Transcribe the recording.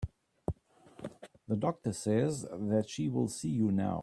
The doctor says that she will see you now.